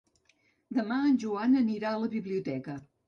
Demà en Joan anirà a la biblioteca.